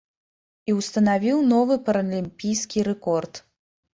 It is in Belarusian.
І ўстанавіў новы паралімпійскі рэкорд.